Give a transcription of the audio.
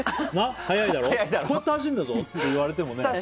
速いだろってこうやって走るんだぞって言われてもね。